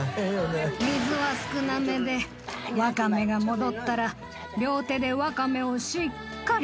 水は少なめでワカメが戻ったら両手でワカメをしっかりもむのよ。